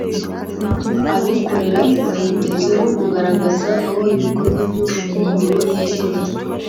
Abikorera bayitezeho kugaragaza aho ibikorwa by’ubumenyingiro biherereye